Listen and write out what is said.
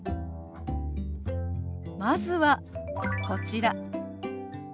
まずはこちら。